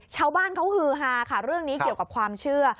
ชาวบ้านเขาฮือฮาค่ะเรื่องนี้เกี่ยวกับความเชื่อ